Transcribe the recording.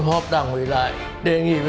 các medi nguyên hiện